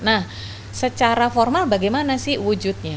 nah secara formal bagaimana sih wujudnya